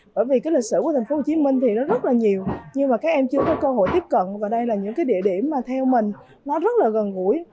bởi vì cái lịch sử của thành phố hồ chí minh thì nó rất là nhiều nhưng mà các em chưa có cơ hội tiếp cận và đây là những cái địa điểm mà theo mình nó rất là gần gũi